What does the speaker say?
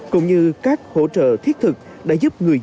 cũng như các hỗ trợ thiết thực đã giúp người dân